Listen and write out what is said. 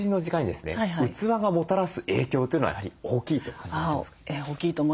器がもたらす影響というのはやはり大きいと感じていらっしゃいますか？